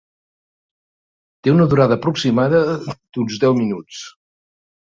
Té una durada aproximada d'uns deu minuts.